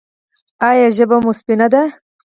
ایا ژبه مو سپینه ده؟